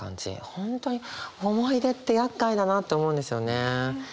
本当に思い出って厄介だなって思うんですよねうん。